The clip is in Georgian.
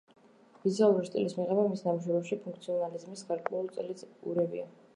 ვიზუალური სტილის მიღმა მის ნამუშევრებში ფუნქციონალიზმის გარკვეული წილიც ურევია.